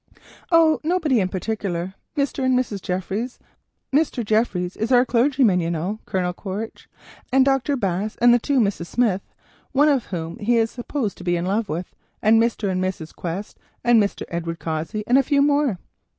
"Oh, nobody in particular. Mr. and Mrs. Jeffries—Mr. Jeffries is our clergyman, you know, Colonel Quaritch—and Dr. Bass and the two Miss Smiths, one of whom he is supposed to be in love with, and Mr. and Mrs. Quest, and Mr. Edward Cossey, and a few more."